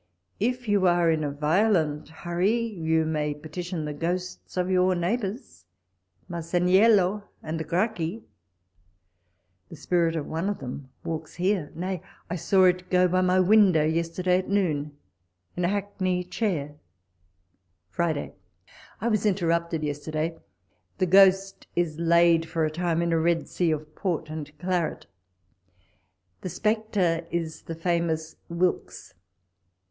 If you are in a violent hurry, you may petition the ghosts of your neighbours— Masaniello and the Gracchi. The spirit of one of them walks here ; nay, I saw it go by my window yesterday, at noon, in a hackney chair. yridai/. T was interrupted yesterday. The ghost is laid for a time in a red sea of port and claret. The spectre is the famous Wilkes.